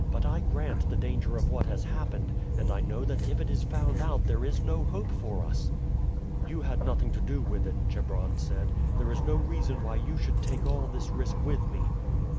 But I grant the danger of what has happened, and I know that if it is found out there is no hope for us." "You had nothing to do with it," Chebron said; "there is no reason why you should take all this risk with me."